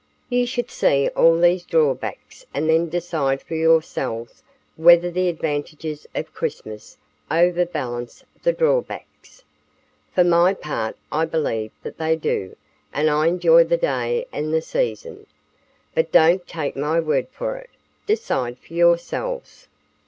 "You should see all these drawbacks and then decide for yourselves whether the advantages of Christmas overbalance the drawbacks. For my part I believe that they do and I enjoy the day and the season. But don't take my word for it. Decide for yourselves."